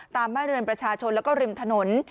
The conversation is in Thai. บ้านเรือนประชาชนแล้วก็ริมถนน